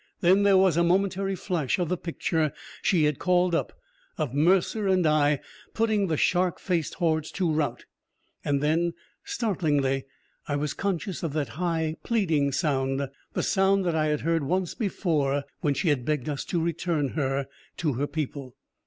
Then there was a momentary flash of the picture she had called up, of Mercer and I putting the shark faced hordes to rout, and then, startlingly, I was conscious of that high, pleading sound the sound that I had heard once before, when she had begged us to return her to her people.